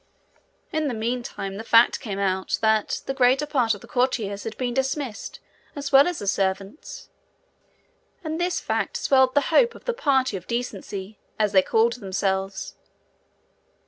In the meantime the fact came out that the greater part of the courtiers had been dismissed as well as the servants, and this fact swelled the hope of the Party of Decency, as they called themselves.